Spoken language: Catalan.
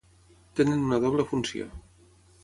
Tenen una doble funció